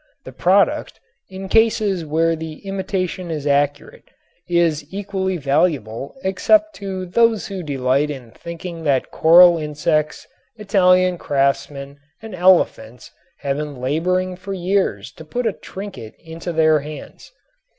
The product, in cases where the imitation is accurate, is equally valuable except to those who delight in thinking that coral insects, Italian craftsmen and elephants have been laboring for years to put a trinket into their hands.